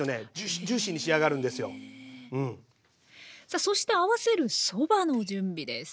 さあそして合わせるそばの準備です。